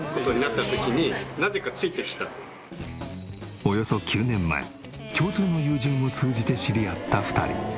およそ９年前共通の友人を通じて知り合った２人。